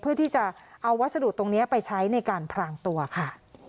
เพื่อที่จะเอาวัสดุตรงนี้ไปใช้ในการพรางตัวค่ะ